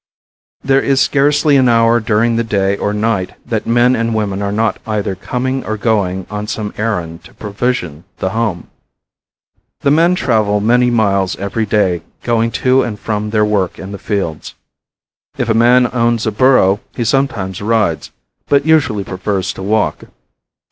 There is scarcely an hour during the day or night that men and women are not either coming or going on some errand to provision the home. The men travel many miles every day going to and from their work in the fields. If a man owns a burro he sometimes rides, but usually prefers to walk.